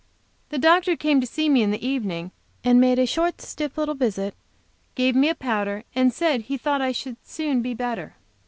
The doctor came to see me in the evening, and made a short, stiff little visit, gave me a powder, and said thought I should soon be better.